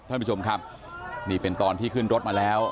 ท่านผู้ชมครับนี่เป็นตอนที่ขึ้นรถมาแล้ว